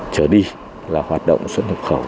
trở đi là hoạt động xuất nhập khẩu